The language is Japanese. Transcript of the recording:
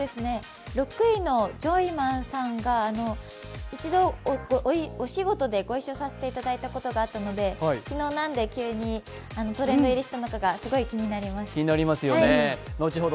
６位のジョイマンさんが一度お仕事でご一緒させていただいたことがあってので、昨日何で急にトレンド入りしたのかが気になりますね。